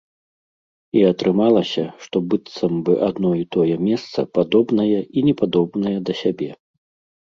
І атрымалася, што быццам бы адно і тое месца падобнае і непадобнае да сябе.